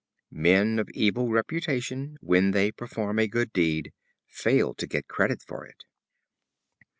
Men of evil reputation, when they perform a good deed, fail to get credit for it.